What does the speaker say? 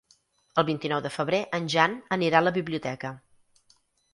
El vint-i-nou de febrer en Jan anirà a la biblioteca.